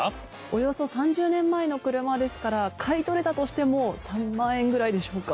およそ３０年前の車ですから買い取れたとしても３万円ぐらいでしょうか？